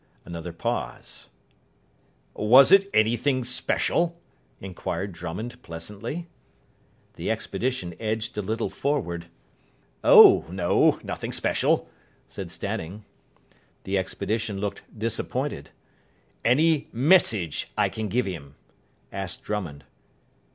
Another pause. "Was it anything special?" inquired Drummond pleasantly. The expedition edged a little forward. "No. Oh, no. Nothing special," said Stanning. The expedition looked disappointed. "Any message I can give him?" asked Drummond.